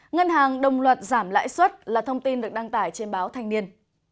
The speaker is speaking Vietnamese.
ngân hàng đồng loạt giảm lãi suất là thông tin được đăng tải trên báo thanh niên